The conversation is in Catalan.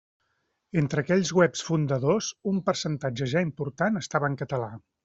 Entre aquells webs fundadors un percentatge ja important estava en català.